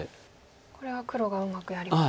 これは黒がうまくやりましたか。